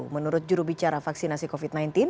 menurut jurubicara vaksinasi covid sembilan belas